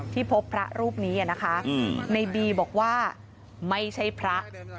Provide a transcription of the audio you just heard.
พบพระรูปนี้นะคะในบีบอกว่าไม่ใช่พระ